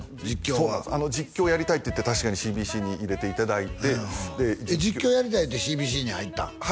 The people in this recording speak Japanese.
実況は実況やりたいって言って確かにＣＢＣに入れていただいて実況やりたいってＣＢＣに入ったん？